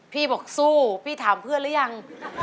บอกสู้พี่ถามเพื่อนหรือยัง